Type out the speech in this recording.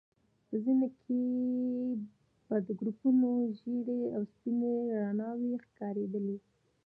په ځينو کې به د ګروپونو ژيړې او سپينې رڼاوي ښکارېدلې.